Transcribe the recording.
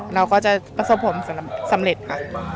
เราก็จะประสบผลสำเร็จค่ะ